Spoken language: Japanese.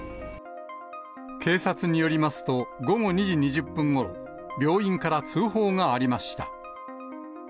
警察によりますと、午後２時２０分ごろ、病院から通報がありました。